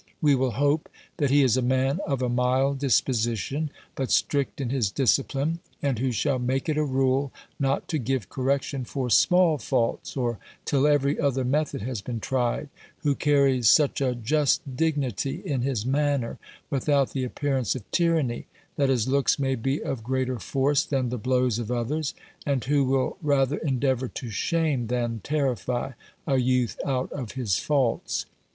We will hope, that he is a man of a mild disposition, but strict in his discipline, and who shall make it a rule not to give correction for small faults, or till every other method has been tried; who carries such a just dignity in his manner, without the appearance of tyranny, that his looks may be of greater force than the blows of others; and who will rather endeavour to shame than terrify, a youth out of his faults.